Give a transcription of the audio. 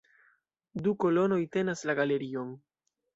Du kolonoj tenas la galerion.